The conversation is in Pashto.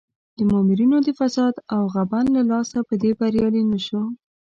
د مامورینو د فساد او غبن له لاسه په دې بریالی نه شو.